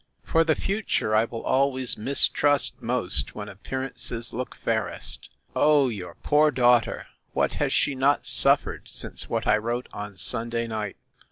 For the future, I will always mistrust most when appearances look fairest. O your poor daughter! what has she not suffered since what I wrote on Sunday night!